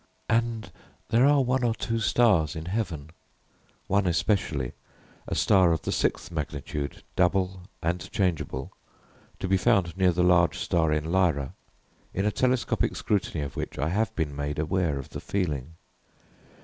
And there are one or two stars in heaven (one especially, a star of the sixth magnitude, double and changeable, to be found near the large star in Lyra) in a telescopic scrutiny of which I have been made aware of the feeling.